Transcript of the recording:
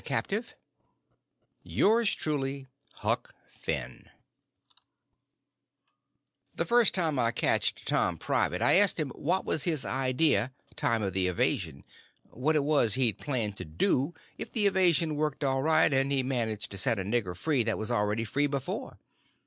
So I never said nothing. CHAPTER THE LAST The first time I catched Tom private I asked him what was his idea, time of the evasion?—what it was he'd planned to do if the evasion worked all right and he managed to set a nigger free that was already free before?